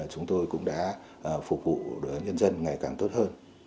chúng tôi cũng đã phục vụ nhân dân ngày càng tốt hơn